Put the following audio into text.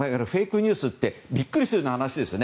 ニュースってビックリするような話ですよね。